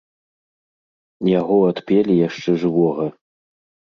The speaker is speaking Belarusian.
Яго адпелі яшчэ жывога.